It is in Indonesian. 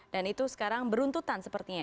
dan itu sekarang beruntutan sepertinya